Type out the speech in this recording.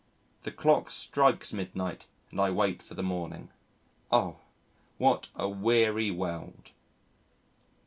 The clock strikes midnight and I wait for the morning. Oh! what a weary world.